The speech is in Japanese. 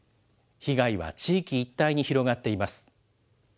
被害は地域一帯に広がっています。